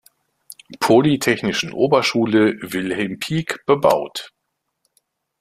Polytechnischen Oberschule „Wilhelm Pieck“ bebaut.